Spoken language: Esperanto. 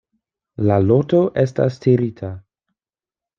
La loto estas tirita.